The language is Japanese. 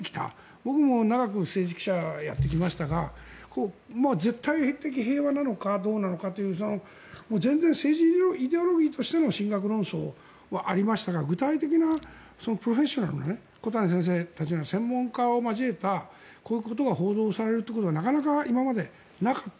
僕も長く政治記者をやってきましたが絶対的平和なのかどうなのかという全然政治イデオロギーとしての論争はありましたが具体的なプロフェッショナルな小谷先生たちを専門家を交えたこういうことが報道されるのはなかなか今までなかった。